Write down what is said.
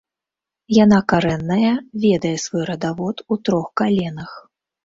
Яна карэнная, ведае свой радавод у трох каленах.